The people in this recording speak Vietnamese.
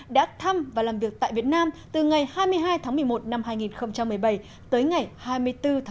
đã thăm và làm việc tại việt nam từ ngày hai mươi hai tháng một mươi một năm hai nghìn một mươi bảy tới ngày hai mươi bốn tháng một mươi một năm hai nghìn một mươi bảy